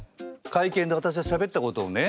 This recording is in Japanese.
会見でわたしがしゃべったことをね